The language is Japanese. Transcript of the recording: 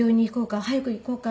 早く行こうか？